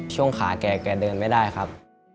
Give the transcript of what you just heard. ช่วงขาแกเดินไม่ได้ครับ